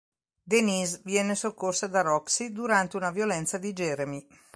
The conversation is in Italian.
Denise viene soccorsa da Roxy durante una violenza di Jeremy.